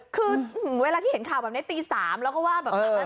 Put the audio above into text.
คือเวลาที่เห็นข่าวแบบนี้ตี๓แล้วก็ว่าแบบนั้น